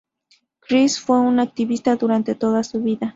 Chris fue un activista durante toda su vida.